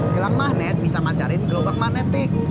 gelang magnet bisa mancarin gelobak magnetik